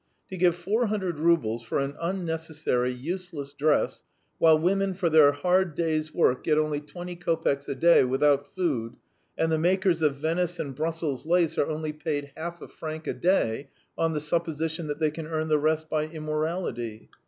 To give four hundred roubles for an unnecessary, useless dress while women for their hard day's work get only twenty kopecks a day without food, and the makers of Venice and Brussels lace are only paid half a franc a day on the supposition that they can earn the rest by immorality!